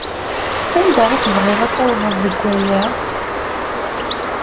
Sanda i tebɣiḍ ad tawḍeḍ deg waya?